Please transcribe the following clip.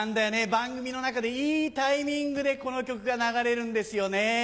番組の中でいいタイミングでこの曲が流れるんですよね。